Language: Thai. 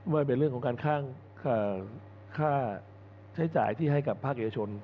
ว่าเป็นเรื่องของการค่าใช้จ่ายที่ให้กับภาคเอกชน